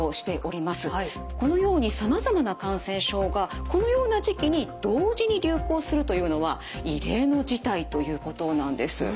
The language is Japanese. このようにさまざまな感染症がこのような時期に同時に流行するというのは異例の事態ということなんです。